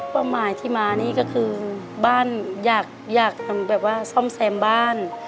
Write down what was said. หมายที่มานี่ก็คือบ้านอยากทำแบบว่าซ่อมแซมบ้าน